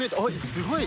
すごい！